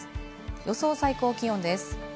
予想最高気温です。